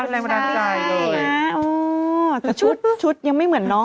แต่ชุดยังไม่เหมือนน้อง